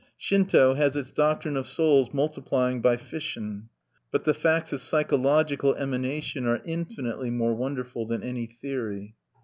Shinto has its doctrine of souls multiplying by fission; but the facts of psychological emanation are infinitely more wonderful than any theory.